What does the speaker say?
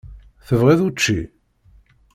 Tebɣiḍ učči?